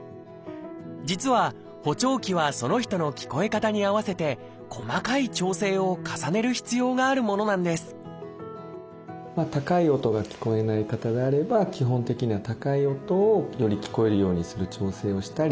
実は補聴器はその人の聞こえ方に合わせて細かい調整を重ねる必要があるものなんです高い音が聞こえない方であれば基本的には高い音をより聞こえるようにする調整をしたり